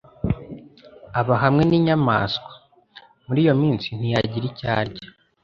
aba hamwe n'inyamaswa.” “Mur'iyo minsi ntiyagira icyo arya